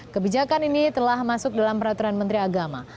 kebijakan ini telah masuk dalam peraturan menteri agama